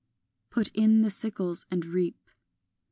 Put in the sickles and reap.